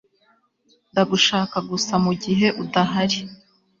Ndagushaka gusa mugihe udahari